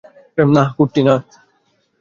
না, কুট্টি, না!